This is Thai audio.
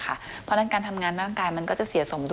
เพราะฉะนั้นการทำงานร่างกายมันก็จะเสียสมดุ